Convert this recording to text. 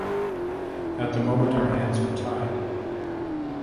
At the moment, our hands are tied.